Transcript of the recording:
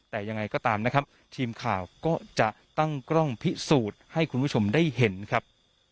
แต่ยังไงก็ตามนะครับทีมข่าวก็จะตั้งกล้องพิสูจน์ให้คุณผู้ชมได้เห็นครับ